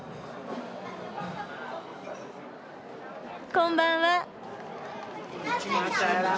こんばんは。